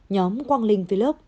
nhóm quang linh vlog